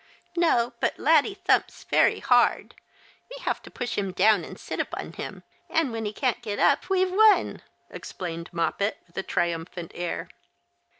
" No, but Laddie thumps very hard. We have to push him down and sit upon him ; and when he can't get up we've won !" explained Moppet, with a triumphant air.